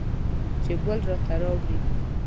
چې ګل راته راوړي